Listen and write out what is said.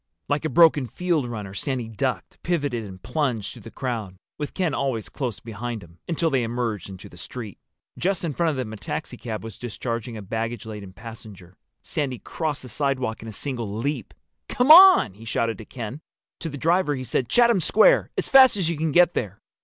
Like a broken field runner Sandy ducked, pivoted, and plunged through the crowd, with Ken always close behind him, until they emerged into the street. Just in front of them a taxicab was discharging a baggage laden passenger. Sandy crossed the sidewalk in a single leap. "Come on!" he shouted to Ken. To the driver he said, "Chatham Square—as fast as you can get there!"